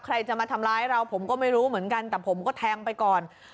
ใครจะมาทำร้ายเราผมก็ไม่รู้เหมือนกันแต่ผมก็แทงไปก่อน